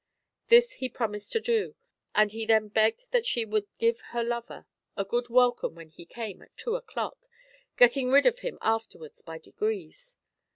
This he promised to do, and he then begged that she would give her lover a good welcome when he came at two o'clock, getting rid of him afterwards by degrees.